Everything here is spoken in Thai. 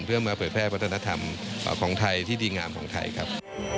เพื่อมาเผยแพร่วัฒนธรรมของไทยที่ดีงามของไทยครับ